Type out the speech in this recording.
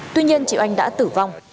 tuy nhiên chị oanh đã tử vong